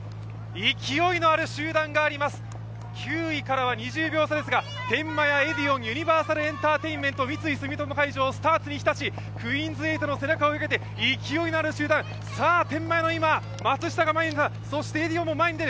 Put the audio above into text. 勢いのある集団があります、９位からは２０秒差ですが、天満屋、エディオン、ユニバーサルエンターテインメント、三井住友海上、スターツに日立、クイーンズ８の背中を追いかけて勢いのある集団、さあ、天満屋の松下が前に出た。